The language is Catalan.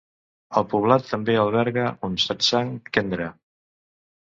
El poblat també alberga un "Satsang Kendra".